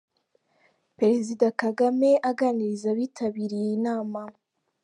Perezida Kagame aganiriza abitabiriye iyi nama.